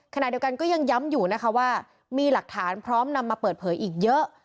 ขณะเดียวกันก็ยังย้ำอยู่นะคะว่ามีหลักฐานพร้อมนำมาเปิดเผยอีกเยอะ